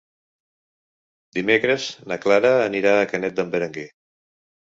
Dimecres na Clara anirà a Canet d'en Berenguer.